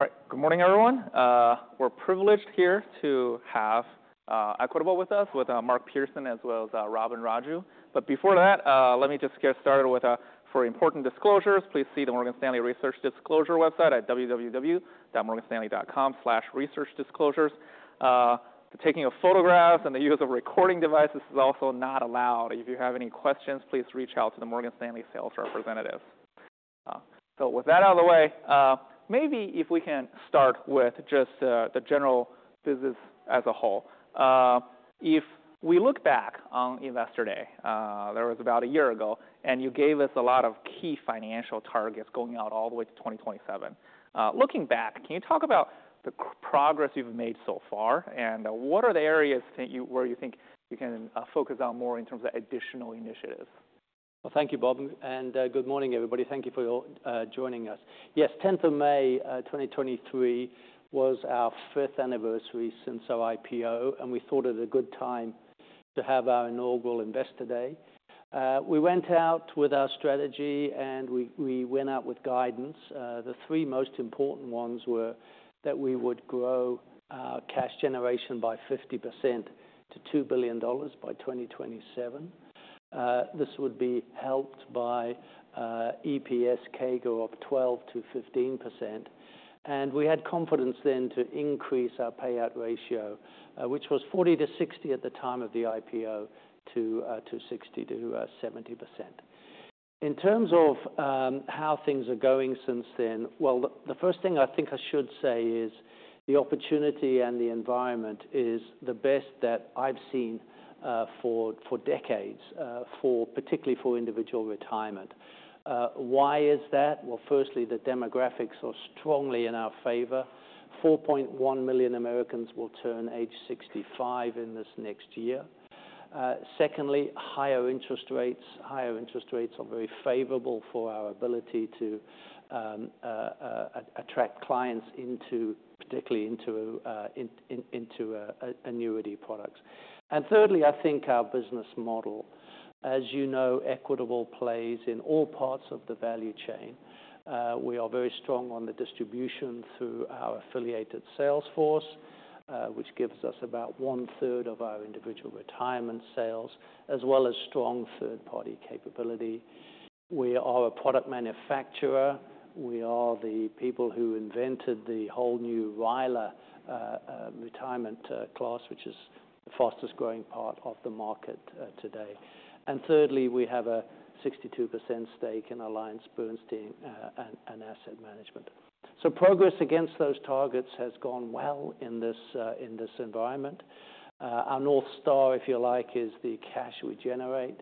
All right. Good morning, everyone. We're privileged here to have Equitable with us, with Mark Pearson as well as Robin Raju. But before that, let me just get started with for important disclosures, please see the Morgan Stanley Research Disclosure website at www.morganstanley.com/researchdisclosures. The taking of photographs and the use of recording devices is also not allowed. If you have any questions, please reach out to the Morgan Stanley sales representative. So with that out of the way, maybe if we can start with just the general business as a whole. If we look back on Investor Day, that was about a year ago, and you gave us a lot of key financial targets going out all the way to 2027. Looking back, can you talk about the progress you've made so far, and what are the areas where you think you can focus on more in terms of additional initiatives? Well, thank you, Bob, and good morning, everybody. Thank you for your joining us. Yes, tenth of May, 2023 was our fifth anniversary since our IPO, and we thought it a good time to have our inaugural Investor Day. We went out with our strategy, and we went out with guidance. The three most important ones were that we would grow cash generation by 50% to $2 billion by 2027. This would be helped by EPS CAGR of 12%-15%. And we had confidence then to increase our payout ratio, which was 40%-60% at the time of the IPO, to 60%-70%. In terms of how things are going since then, well, the first thing I think I should say is, the opportunity and the environment is the best that I've seen for decades, for particularly for individual retirement. Why is that? Well, firstly, the demographics are strongly in our favor. 4.1 million Americans will turn age 65 in this next year. Secondly, higher interest rates. Higher interest rates are very favorable for our ability to attract clients into, particularly into annuity products. And thirdly, I think our business model. As you know, Equitable plays in all parts of the value chain. We are very strong on the distribution through our affiliated sales force, which gives us about one third of our individual retirement sales, as well as strong third-party capability. We are a product manufacturer, we are the people who invented the whole new RILA retirement class which is the fastest growing part of the market, today. And thirdly, we have a 62% stake in AllianceBernstein, and Asset Management. So progress against those targets has gone well in this, in this environment. Our North Star, if you like, is the cash we generate.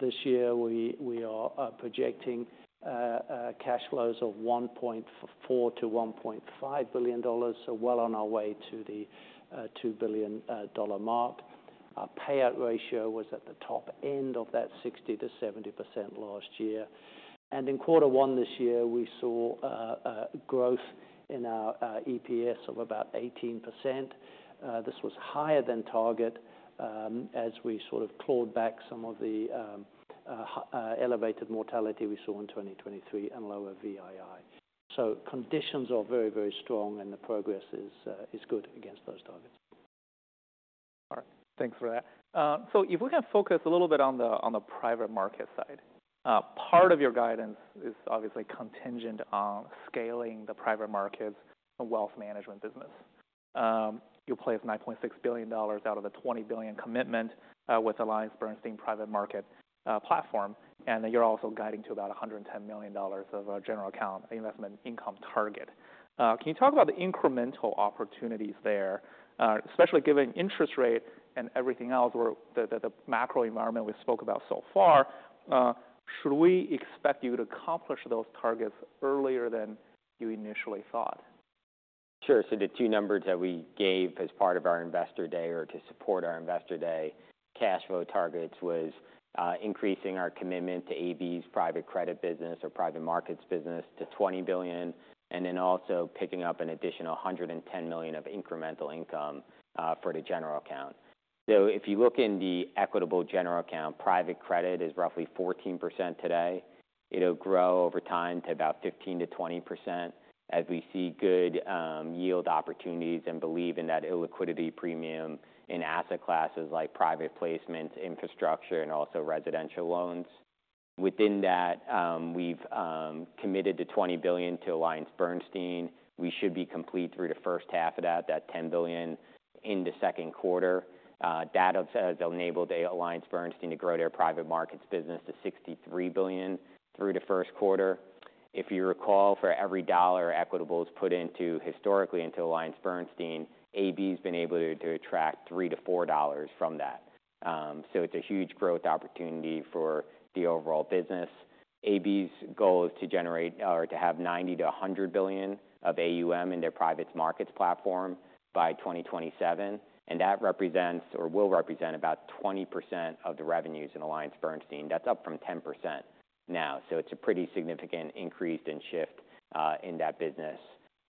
This year, we are projecting cash flows of $1.4 billion-$1.5 billion, so well on our way to the $2 billion dollar mark. Our payout ratio was at the top end of that 60%-70% last year. And in quarter one this year, we saw growth in our EPS of about 18%. This was higher than target, as we sort of clawed back some of the elevated mortality we saw in 2023, and lower VII. So conditions are very, very strong, and the progress is good against those targets. All right. Thanks for that. So if we can focus a little bit on the private market side. Part of your guidance is obviously contingent on scaling the Private Markets and Wealth Management business. You play with $9.6 billion out of the $20 billion commitment with AllianceBernstein private market platform, and then you're also guiding to about $110 million of General Account investment income target. Can you talk about the incremental opportunities there, especially given interest rate and everything else, where the macro environment we spoke about so far, should we expect you to accomplish those targets earlier than you initially thought? Sure. So the two numbers that we gave as part of our Investor Day or to support our Investor Day cash flow targets was increasing our commitment to AB's private credit business or Private Markets business to $20 billion, and then also picking up an additional $110 million of incremental income for the General Account. So if you look in the Equitable General Account, private credit is roughly 14% today. It'll grow over time to about 15%-20%, as we see good yield opportunities and believe in that illiquidity premium in asset classes like private placements, infrastructure, and also residential loans. Within that, we've committed to $20 billion to AllianceBernstein. We should be complete through the first half of that $10 billion in the second quarter. That has enabled the AllianceBernstein to grow their Private Markets business to $63 billion through the first quarter. If you recall, for every dollar Equitable is put into, historically into AllianceBernstein, AB's been able to, to attract $3-$4 from that. So it's a huge growth opportunity for the overall business. AB's goal is to generate or to have $90-$100 billion of AUM in their Private Markets platform by 2027, and that represents or will represent about 20% of the revenues in AllianceBernstein. That's up from 10% now, so it's a pretty significant increase in shift, in that business.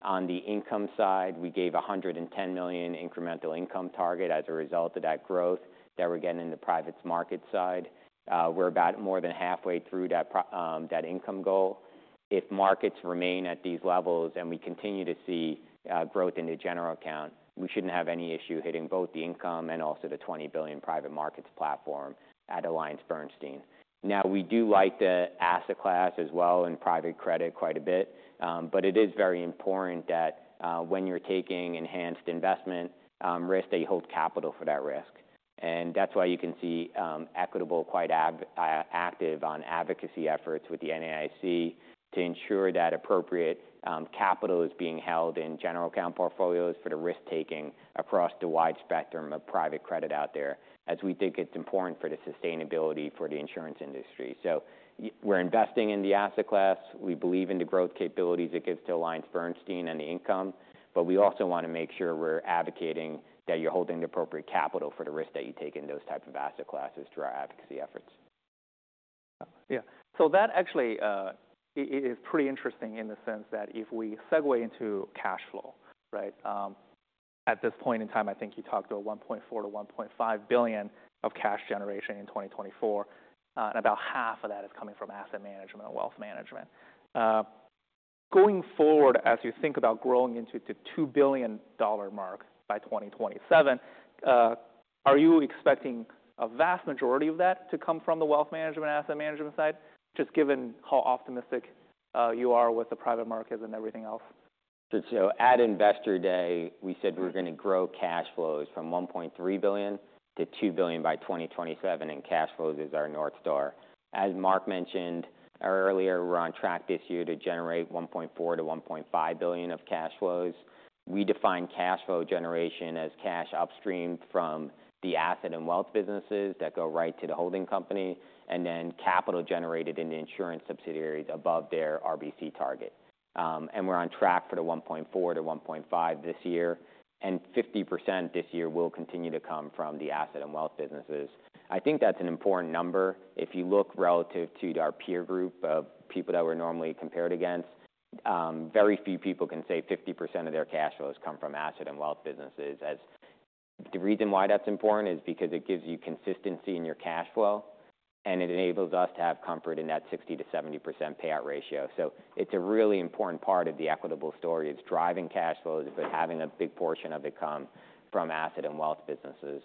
On the income side, we gave $110 million incremental income target as a result of that growth that we're getting in the Private Markets side. We're about more than halfway through that income goal. If markets remain at these levels, and we continue to see growth in the General Account, we shouldn't have any issue hitting both the income and also the $20 billion Private Markets platform at AllianceBernstein. Now, we do like the asset class as well, and private credit quite a bit, but it is very important that, when you're taking enhanced investment risk, that you hold capital for that risk. And that's why you can see Equitable quite active on advocacy efforts with the NAIC, to ensure that appropriate capital is being held in General Account portfolios for the risk-taking across the wide spectrum of private credit out there, as we think it's important for the sustainability for the insurance industry. So we're investing in the asset class. We believe in the growth capabilities it gives to AllianceBernstein and the income, but we also wanna make sure we're advocating that you're holding the appropriate capital for the risk that you take in those type of asset classes through our advocacy efforts. Yeah. So that actually, it is pretty interesting in the sense that if we segue into cash flow, right? At this point in time, I think you talked about $1.4 billion-$1.5 billion of cash generation in 2024, and about half of that is coming from asset management and wealth management. Going forward, as you think about growing into the $2 billion mark by 2027, are you expecting a vast majority of that to come from the wealth management, asset management side, just given how optimistic you are with the Private Markets and everything else? So at Investor Day, we said we're gonna grow cash flows from $1.3 billion to $2 billion by 2027, and cash flows is our North Star. As Mark mentioned earlier, we're on track this year to generate $1.4 billion-$1.5 billion of cash flows. We define cash flow generation as cash upstream from the Asset and Wealth businesses that go right to the holding company, and then capital generated in the insurance subsidiaries above their RBC target. And we're on track for the $1.4 billion-$1.5 billion this year, and 50% this year will continue to come from the Asset and Wealth businesses. I think that's an important number. If you look relative to our peer group of people that we're normally compared against, very few people can say 50% of their cash flows come from Asset and Wealth businesses. The reason why that's important is because it gives you consistency in your cash flow, and it enables us to have comfort in that 60%-70% payout ratio. So it's a really important part of the Equitable story. It's driving cash flows, but having a big portion of it come from Asset and Wealth businesses.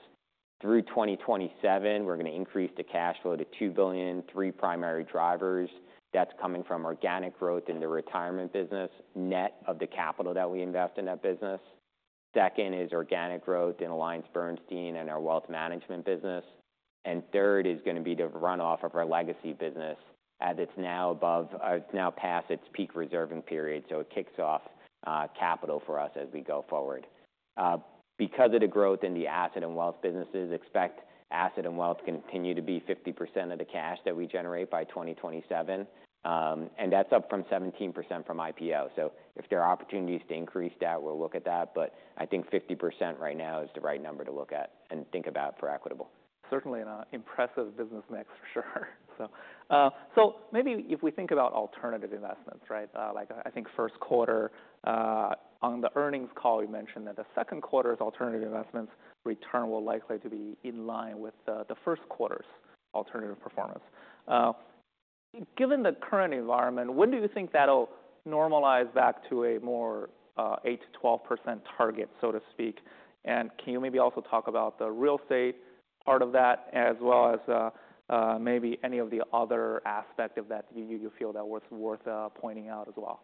Through 2027, we're gonna increase the cash flow to $2 billion, three primary drivers. That's coming from organic growth in the retirement business, net of the capital that we invest in that business. Second is organic growth in AllianceBernstein and our wealth management business. And third is gonna be the runoff of our Legacy business, as it's now above... it's now past its peak reserving period, so it kicks off capital for us as we go forward. Because of the growth in the Asset and Wealth businesses, expect asset and wealth to continue to be 50% of the cash that we generate by 2027, and that's up from 17% from IPO. If there are opportunities to increase that, we'll look at that, but I think 50% right now is the right number to look at and think about for Equitable. Certainly an impressive business mix, for sure. So, maybe if we think about alternative investments, right? Like, I think first quarter, on the earnings call, you mentioned that the second quarter's alternative investments return will likely to be in line with the first quarter's alternative performance. Given the current environment, when do you think that'll normalize back to a more 8%-12% target, so to speak? And can you maybe also talk about the real estate part of that, as well as maybe any of the other aspect of that you feel that worth pointing out as well?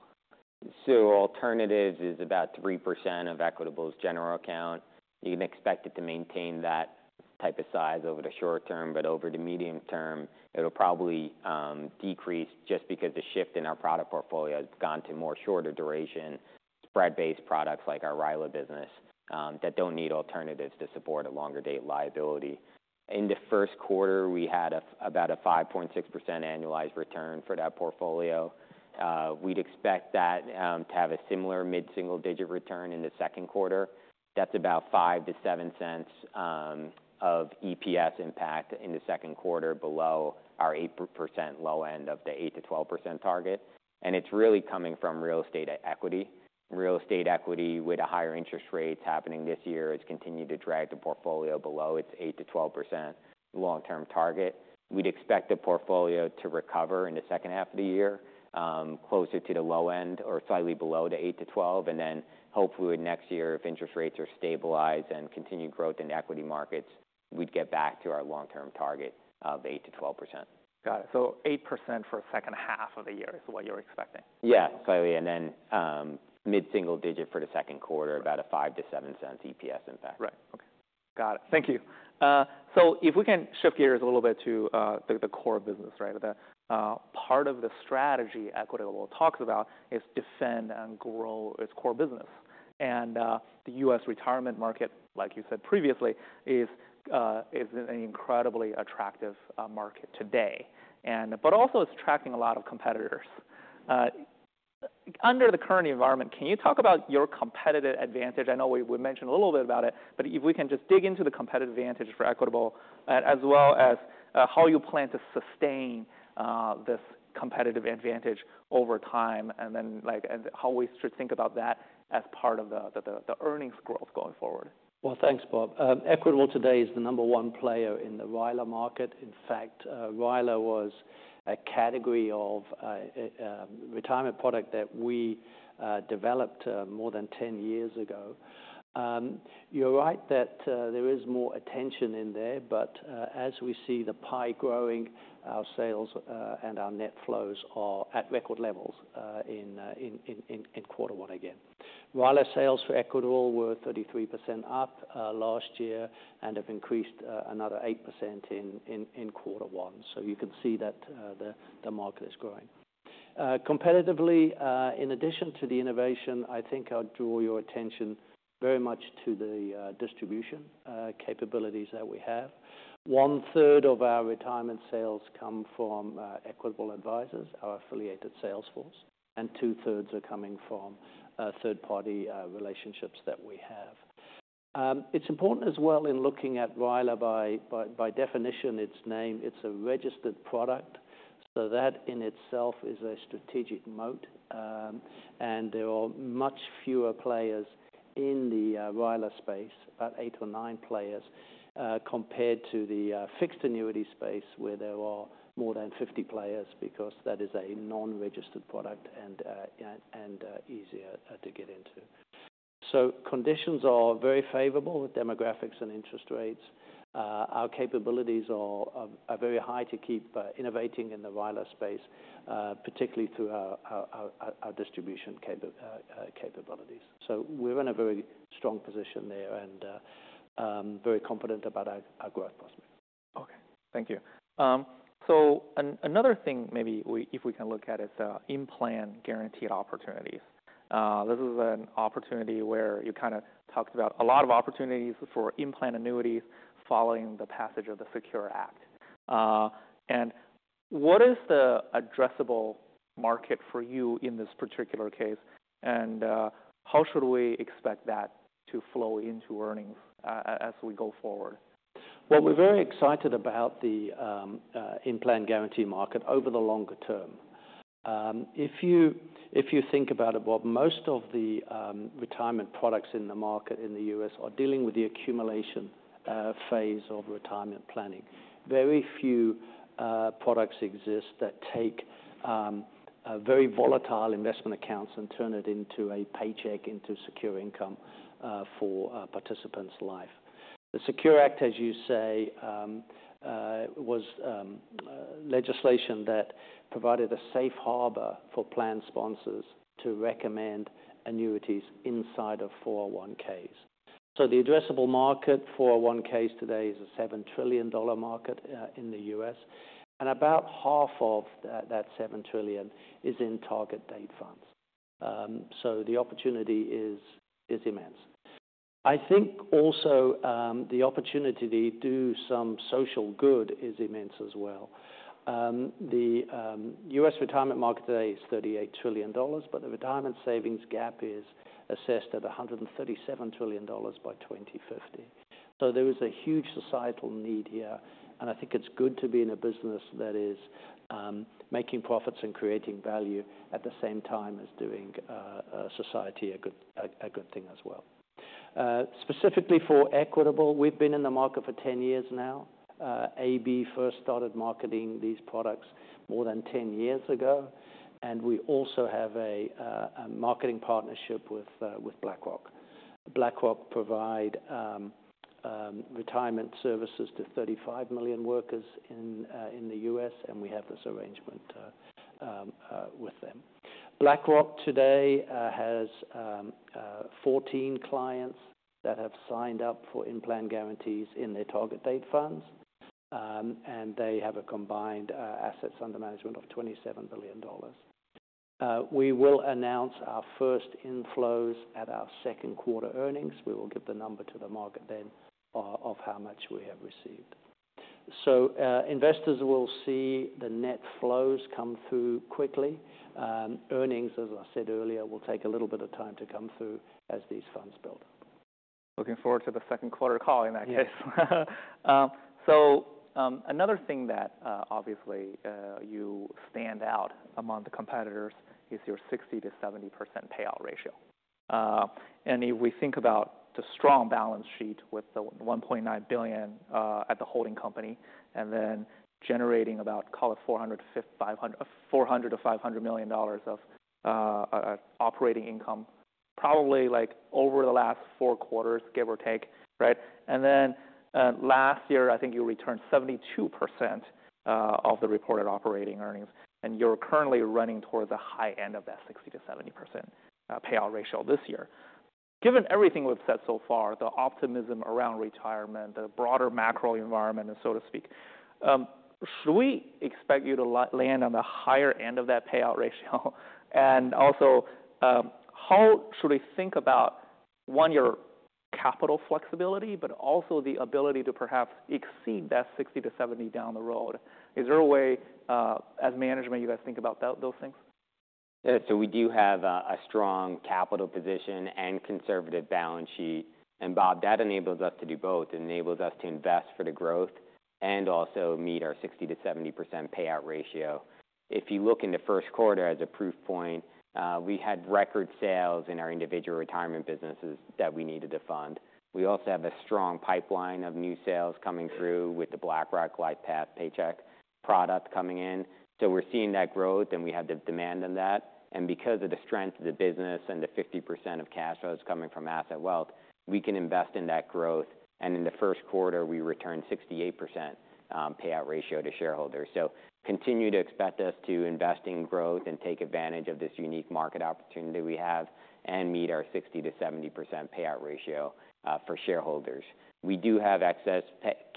So alternatives is about 3% of Equitable's General Account. You can expect it to maintain that type of size over the short term, but over the medium term, it'll probably decrease, just because the shift in our product portfolio has gone to more shorter duration, spread-based products, like our RILA business, that don't need alternatives to support a longer date liability. In the first quarter, we had about a 5.6% annualized return for that portfolio. We'd expect that to have a similar mid-single digit return in the second quarter. That's about $0.05-$0.07 of EPS impact in the second quarter, below our eight percent low end of the 8%-12% target, and it's really coming from real estate equity. Real estate equity, with the higher interest rates happening this year, has continued to drag the portfolio below its 8%-12% long-term target. We'd expect the portfolio to recover in the second half of the year, closer to the low end or slightly below the 8%-12%, and then hopefully next year, if interest rates are stabilized and continued growth in equity markets, we'd get back to our long-term target of 8%-12%. Got it. So 8% for second half of the year is what you're expecting? Yeah, slightly, and then, mid-single digit for the second quarter, about a $0.05-$0.07 EPS impact. Right. Okay. Got it. Thank you. So if we can shift gears a little bit to the core business, right? The part of the strategy Equitable talks about is defend and grow its core business. And the U.S. retirement market, like you said previously, is an incredibly attractive market today, but also it's attracting a lot of competitors. Under the current environment, can you talk about your competitive advantage? I know we mentioned a little bit about it, but if we can just dig into the competitive advantage for Equitable, as well as how you plan to sustain this competitive advantage over time, and then, like, and how we should think about that as part of the earnings growth going forward. Well, thanks, Bob. Equitable today is the number one player in the RILA market. In fact, RILA was a category of retirement product that we developed more than 10 years ago. You're right that there is more attention in there, but as we see the pie growing, our sales and our net flows are at record levels in quarter one again. While our sales for Equitable were 33% up last year and have increased another 8% in quarter one, so you can see that the market is growing. Competitively, in addition to the innovation, I think I'd draw your attention very much to the distribution capabilities that we have. One third of our retirement sales come from Equitable Advisors, our affiliated sales force, and two thirds are coming from third-party relationships that we have. It's important as well in looking at RILA by definition, its name, it's a registered product, so that in itself is a strategic moat. And there are much fewer players in the RILA space, about eight or nine players, compared to the fixed annuity space, where there are more than 50 players, because that is a non-registered product and easier to get into. So conditions are very favorable with demographics and interest rates. Our capabilities are very high to keep innovating in the RILA space, particularly through our distribution capabilities. So we're in a very strong position there, and very confident about our growth prospects. Okay, thank you. So another thing, maybe if we can look at in-plan guaranteed opportunities. This is an opportunity where you kind of talked about a lot of opportunities for in-plan annuities following the passage of the Secure Act. And what is the addressable market for you in this particular case? And how should we expect that to flow into earnings as we go forward? Well, we're very excited about the in-plan guarantee market over the longer term. If you think about it, Bob, most of the retirement products in the market in the U.S. are dealing with the accumulation phase of retirement planning. Very few products exist that take a very volatile investment accounts and turn it into a paycheck, into secure income for a participant's life. The Secure Act, as you say, was legislation that provided a safe harbor for plan sponsors to recommend annuities inside of 401(k)s. So the addressable market for 401(k)s today is a $7 trillion market in the U.S., and about half of that $7 trillion is in target date funds. So the opportunity is immense. I think also, the opportunity to do some social good is immense as well. The U.S. retirement market today is $38 trillion, but the retirement savings gap is assessed at $137 trillion by 2050. So there is a huge societal need here, and I think it's good to be in a business that is making profits and creating value at the same time as doing society a good thing as well. Specifically for Equitable, we've been in the market for 10 years now. AB first started marketing these products more than 10 years ago, and we also have a marketing partnership with BlackRock. BlackRock provide retirement services to 35 million workers in the U.S., and we have this arrangement with them. BlackRock today has 14 clients that have signed up for in-plan guarantees in their target date funds. They have a combined assets under management of $27 billion. We will announce our first inflows at our second quarter earnings. We will give the number to the market then of how much we have received. Investors will see the net flows come through quickly. Earnings, as I said earlier, will take a little bit of time to come through as these funds build. Looking forward to the second quarter call in that case. So, another thing that obviously you stand out among the competitors is your 60%-70% payout ratio. And if we think about the strong balance sheet with the $1.9 billion at the holding company, and then generating about, call it $400 million-$500 million of operating income, probably over the last four quarters, give or take, right? And then last year, I think you returned 72% of the reported operating earnings, and you're currently running towards the high end of that 60%-70% payout ratio this year. Given everything we've said so far, the optimism around retirement, the broader macro environment, and so to speak, should we expect you to land on the higher end of that payout ratio? And also, how should we think about, one, your capital flexibility, but also the ability to perhaps exceed that 60%-70% down the road? Is there a way, as management, you guys think about those things? So we do have a strong capital position and conservative balance sheet. And Bob, that enables us to do both. It enables us to invest for the growth and also meet our 60%-70% payout ratio. If you look in the first quarter as a proof point, we had record sales in our Individual Retirement businesses that we needed to fund. We also have a strong pipeline of new sales coming through with the BlackRock LifePath Paycheck product coming in. So we're seeing that growth, and we have the demand in that, and because of the strength of the business and the 50% of cash flows coming from asset wealth, we can invest in that growth. And in the first quarter, we returned 68% payout ratio to shareholders. So continue to expect us to invest in growth and take advantage of this unique market opportunity we have, and meet our 60%-70% payout ratio for shareholders. We do have excess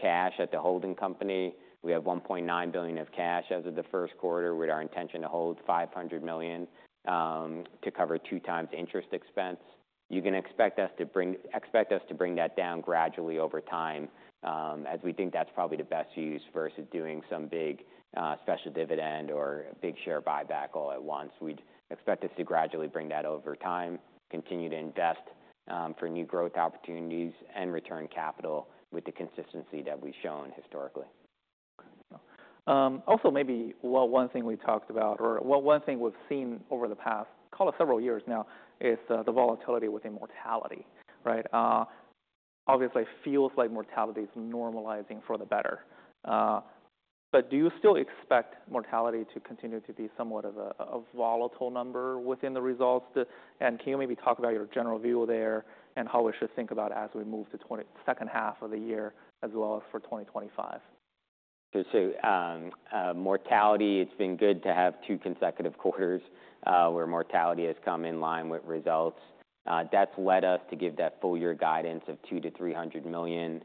cash at the holding company. We have $1.9 billion of cash as of the first quarter, with our intention to hold $500 million to cover 2 times interest expense. You can expect us to bring that down gradually over time, as we think that's probably the best use versus doing some big special dividend or a big share buyback all at once. We'd expect us to gradually bring that over time, continue to invest for new growth opportunities, and return capital with the consistency that we've shown historically. Also, one thing we've seen over the past, call it several years now, is the volatility within mortality, right? Obviously, feels like mortality is normalizing for the better. But do you still expect mortality to continue to be somewhat of a volatile number within the results? And can you maybe talk about your general view there, and how we should think about as we move to the second half of the year, as well as for 2025? Mortality, it's been good to have two consecutive quarters where mortality has come in line with results. That's led us to give that full year guidance of $200 million-$300 million.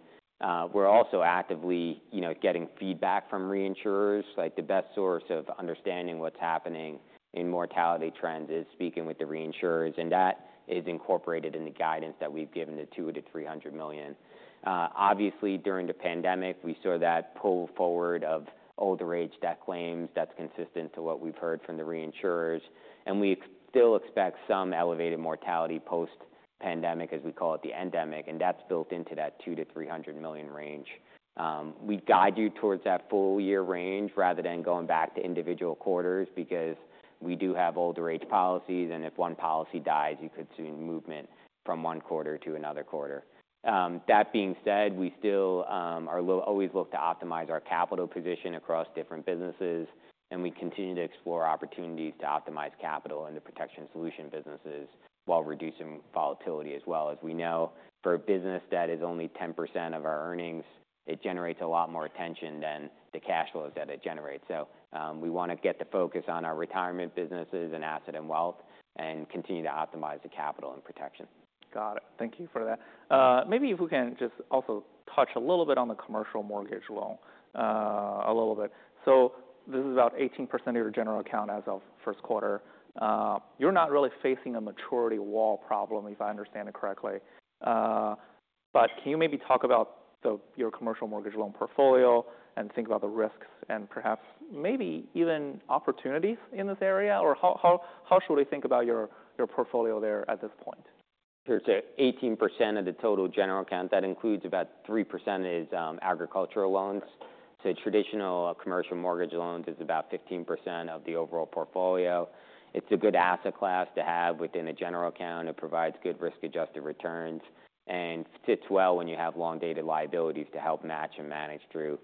We're also actively, you know, getting feedback from reinsurers. Like, the best source of understanding what's happening in mortality trends is speaking with the reinsurers, and that is incorporated in the guidance that we've given, the $200 million-$300 million. Obviously, during the pandemic, we saw that pull forward of older age death claims. That's consistent to what we've heard from the reinsurers, and we still expect some elevated mortality post-pandemic, as we call it, the endemic, and that's built into that $200 million-$300 million range. We'd guide you towards that full year range rather than going back to individual quarters, because we do have older age policies, and if one policy dies, you could see movement from one quarter to another quarter. That being said, we still are always look to optimize our capital position across different businesses, and we continue to explore opportunities to optimize capital in the Protection Solutions businesses while reducing volatility as well. As we know, for a business that is only 10% of our earnings, it generates a lot more attention than the cash flows that it generates. So, we wanna get the focus on our retirement businesses and asset and wealth, and continue to optimize the capital and protection. Got it. Thank you for that. Maybe if we can just also touch a little bit on the commercial mortgage loan, a little bit. So this is about 18% of your General Account as of first quarter. You're not really facing a maturity wall problem, if I understand it correctly. But can you maybe talk about your commercial mortgage loan portfolio and think about the risks and perhaps maybe even opportunities in this area? Or how should we think about your portfolio there at this point? Sure. So 18% of the total General Account, that includes about 3% is agricultural loans. So traditional commercial mortgage loans is about 15% of the overall portfolio. It's a good asset class to have within a General Account. It provides good risk-adjusted returns, and fits well when you have long-dated liabilities to help match and manage through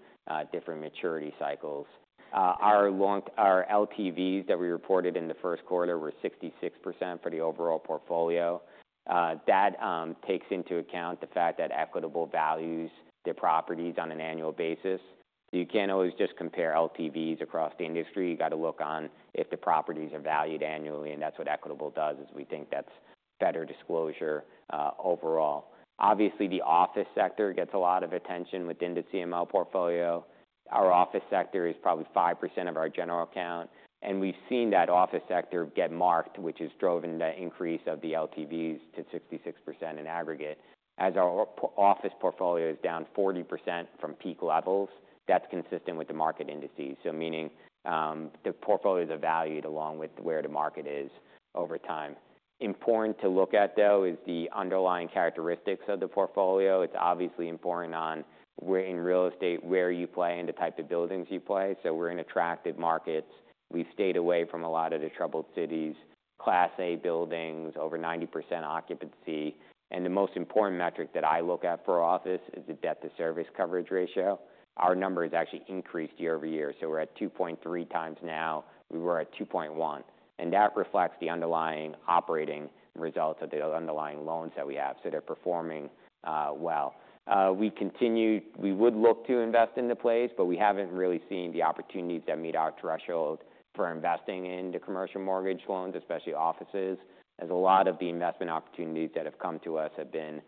different maturity cycles. Our LTVs that we reported in the first quarter were 66% for the overall portfolio. That takes into account the fact that Equitable values their properties on an annual basis. You can't always just compare LTVs across the industry. You got to look on if the properties are valued annually, and that's what Equitable does, is we think that's better disclosure overall. Obviously, the office sector gets a lot of attention within the CML portfolio. Our office sector is probably 5% of our General Account, and we've seen that office sector get marked, which has driven the increase of the LTVs to 66% in aggregate. As our office portfolio is down 40% from peak levels, that's consistent with the market indices, so meaning, the portfolios are valued along with where the market is over time. Important to look at, though, is the underlying characteristics of the portfolio. It's obviously important on where in real estate, where you play, and the type of buildings you play. So we're in attractive markets. We've stayed away from a lot of the troubled cities, Class A buildings, over 90% occupancy. And the most important metric that I look at for office is the debt service coverage ratio. Our number has actually increased year-over-year, so we're at 2.3 times now. We were at 2.1, and that reflects the underlying operating results of the underlying loans that we have, so they're performing well. We would look to invest in the space, but we haven't really seen the opportunities that meet our threshold for investing in the commercial mortgage loans, especially offices, as a lot of the investment opportunities that have come to us have been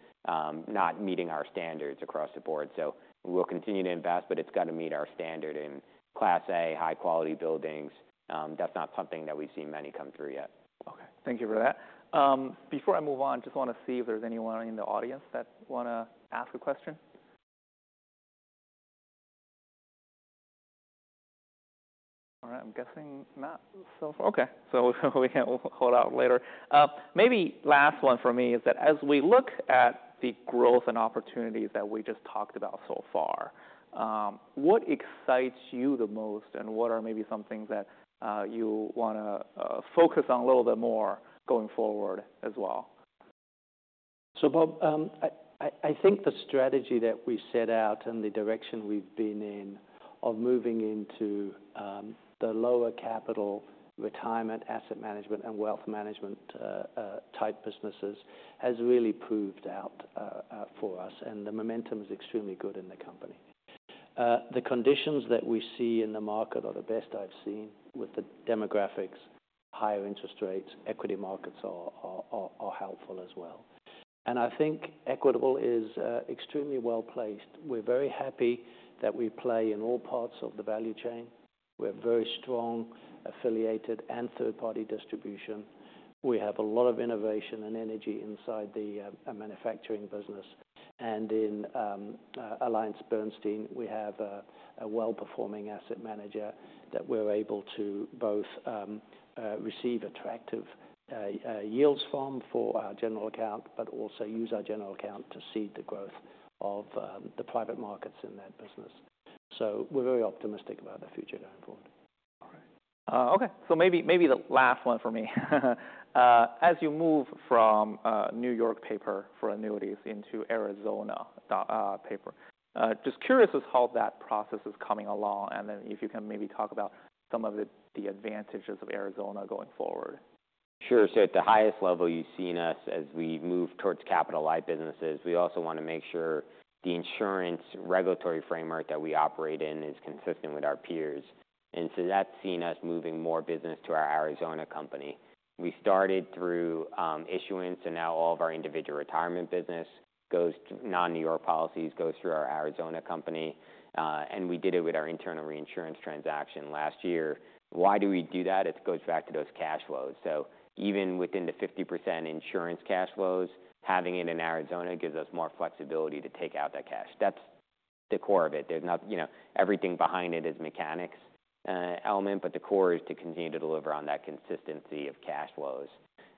not meeting our standards across the board. So we'll continue to invest, but it's got to meet our standard in Class A, high-quality buildings. That's not something that we've seen many come through yet. Okay, thank you for that. Before I move on, just wanna see if there's anyone in the audience that wanna ask a question. All right, I'm guessing not so... Okay, so we can hold off later. Maybe last one for me is that as we look at the growth and opportunities that we just talked about so far... What excites you the most, and what are maybe some things that you wanna focus on a little bit more going forward as well? So, Bob, I think the strategy that we set out and the direction we've been in, of moving into the lower capital retirement, asset management, and wealth management type businesses, has really proved out for us, and the momentum is extremely good in the company. The conditions that we see in the market are the best I've seen with the demographics, higher interest rates, equity markets are helpful as well. And I think Equitable is extremely well-placed. We're very happy that we play in all parts of the value chain. We're very strong, affiliated, and third-party distribution. We have a lot of innovation and energy inside the manufacturing business. In AllianceBernstein, we have a well-performing asset manager that we're able to both receive attractive yields from for our General Account, but also use our General Account to seed the growth of the Private Markets in that business. We're very optimistic about the future going forward. All right. Okay, so maybe, maybe the last one for me. As you move from New York paper for annuities into Arizona paper, just curious as how that process is coming along, and then if you can maybe talk about some of the, the advantages of Arizona going forward. Sure. So at the highest level, you've seen us as we move towards capital light businesses. We also wanna make sure the insurance regulatory framework that we operate in is consistent with our peers. And so that's seen us moving more business to our Arizona company. We started through issuance, and now all of our individual retirement business goes to non-New York policies, goes through our Arizona company, and we did it with our internal reinsurance transaction last year. Why do we do that? It goes back to those cash flows. So even within the 50% insurance cash flows, having it in Arizona gives us more flexibility to take out that cash. That's the core of it. There's not... You know, everything behind it is mechanics, element, but the core is to continue to deliver on that consistency of cash flows.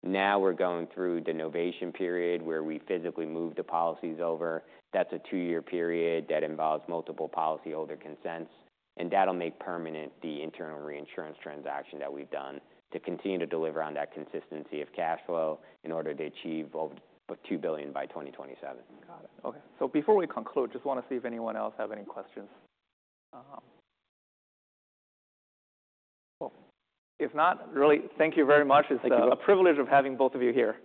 Now, we're going through the novation period, where we physically move the policies over. That's a two-year period that involves multiple policyholder consents, and that'll make permanent the internal reinsurance transaction that we've done to continue to deliver on that consistency of cash flow in order to achieve over $2 billion by 2027. Got it. Okay. So before we conclude, just wanna see if anyone else have any questions. Uh-huh. Cool. If not, really, thank you very much. Thank you. It's a privilege of having both of you here.